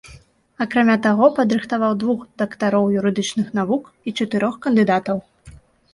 Акрамя таго падрыхтаваў двух дактароў юрыдычных навук і чатырох кандыдатаў.